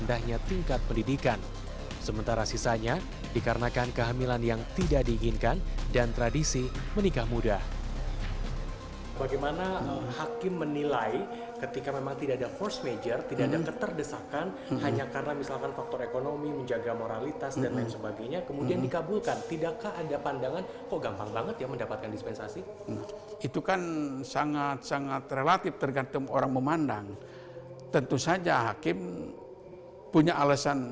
saya yakin bahwa rusaknya sekolah yang grief measur darstu ini orangnya berguna sayang